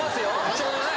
ちょうどね